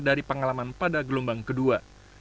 dari pengalaman pada gelombang kedua